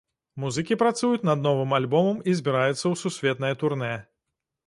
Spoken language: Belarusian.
Музыкі працуюць над новым альбомам і збіраюцца ў сусветнае турнэ.